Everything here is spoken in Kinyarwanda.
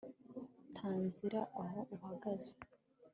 tangira aho uhagaze